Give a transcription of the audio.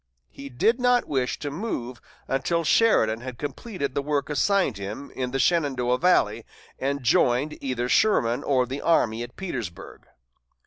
He did not wish to move until Sheridan had completed the work assigned him in the Shenandoah valley and joined either Sherman or the army at Petersburg.